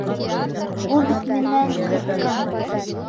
Ул бит минән ҡыҫҡа!